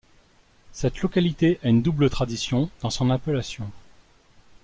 Cette localité a une double tradition dans son appellation.